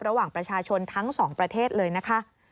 ระหว่างประชาชนทั้งสองประเทศเลยนะคะ